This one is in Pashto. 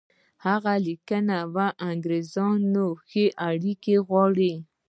هغه لیکلي وو انګرېزان ښې اړیکې غواړي.